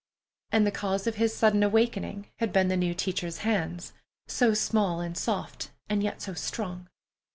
And the cause of his sudden awakening had been the new teacher's hands, so small and soft, and yet so strong.